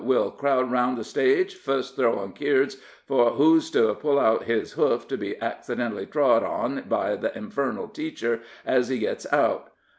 We'll crowd around the stage, fust throwin' keards for who's to put out his hoof to be accidently trod onto by the infernal teacher ez he gits out.